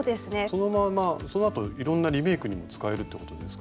そのままそのあといろんなリメイクにも使えるってことですか？